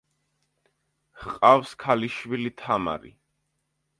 ჰყავს ქალიშვილი თამარი.